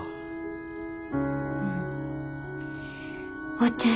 おっちゃん